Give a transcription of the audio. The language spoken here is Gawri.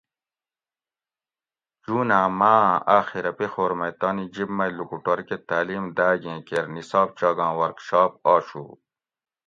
جون آں ماۤ آں آخیرہ پیخور مئ تانی جب مئ لوکوٹور کہ تعلیم داگیں کیرنصاب چاگاں ورکشاپ آشو